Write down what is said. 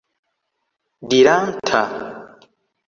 diranta